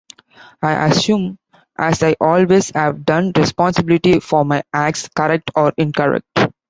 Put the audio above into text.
I assume, as I always have done, responsibility for my acts, correct or incorrect...